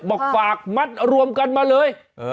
บอกฝากมัดรวมกันมาเลย